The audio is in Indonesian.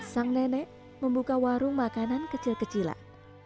sang nenek membuka warung makanan kecil kecilan